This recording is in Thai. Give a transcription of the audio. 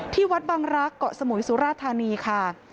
ที่วัดบังรักษ์เกาะสมุยสุราธานีค่ะ